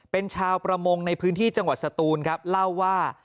เป็นชาวประมงในพื้นที่จังหวัดสตูนครับเล่าว่า